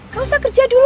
gak usah kerja dulu